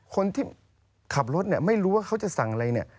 คนที่ขับรถเนี่ยไม่รู้ว่าเขาจะสั่งอะไรเนี่ย